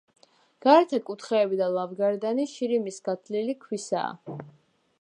გარეთა კუთხეები და ლავგარდანი შირიმის გათლილი ქვისაა.